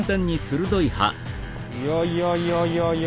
いやいやいやいやいや。